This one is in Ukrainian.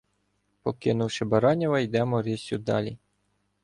Покинувши Бараніва, йдемо риссю далі.